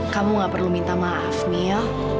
kamu gak perlu minta maaf mil